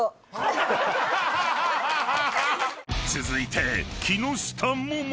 ［続いて］